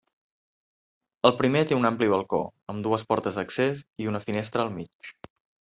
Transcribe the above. El primer té un ampli balcó, amb dues portes d'accés i una finestra al mig.